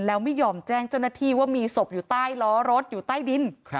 แล้วไม่ยอมแจ้งเจ้าหน้าที่ว่ามีศพอยู่ใต้ล้อรถอยู่ใต้ดิน